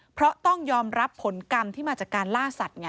เพราะต้องยอมรับผลกรรมที่มาจากการล่าสัตว์ไง